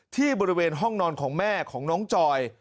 ที่บริเวณห้องนอนของแม่ของน้องจอย